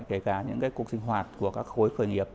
kể cả những cuộc sinh hoạt của các khối khởi nghiệp